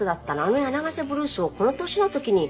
あの『柳ヶ瀬ブルース』をこの年の時に。